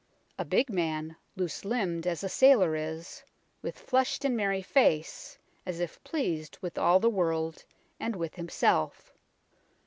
A big man, loose limbed as a sailor is, with flushed and merry face, as if pleased with all the world and with himself.